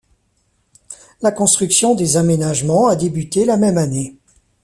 La construction des aménagements a débuté la même année.